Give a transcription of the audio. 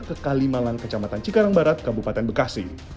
ke kalimalan kecamatan cikarang barat kabupaten bekasi